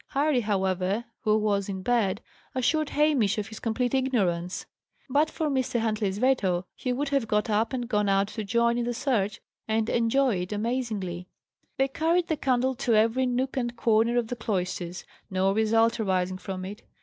Harry, however, who was in bed, assured Hamish of his complete ignorance. But for Mr. Huntley's veto, he would have got up and gone out to join in the search, and enjoyed it amazingly. They carried the candle to every nook and corner of the cloisters, no result arising from it.